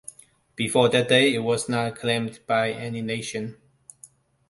Before that day, it was not claimed by any nation.